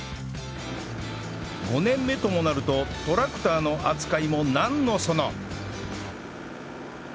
５年目ともなるとトラクターの扱いもなんのその